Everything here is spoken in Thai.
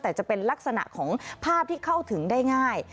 แต่จะเป็นลักษณะของภาพที่เข้าถึงได้ง่าย